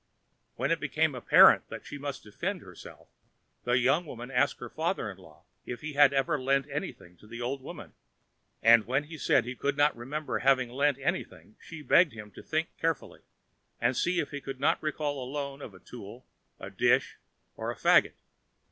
When it became apparent that she must defend herself, the young woman asked her father in law if he had ever lent anything to the old woman; and when he said he could not remember having lent anything, she begged him to think carefully, and see if he could not recall the loan of a tool, a dish, or a fagot.